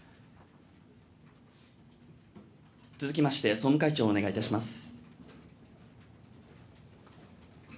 続きまして、総務会長お願いいたします。